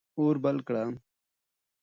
اور بل کړه.